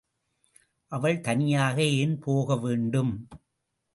அவள் தனியாக ஏன் போக வேண்டும்?